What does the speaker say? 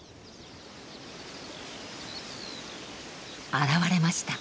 現れました。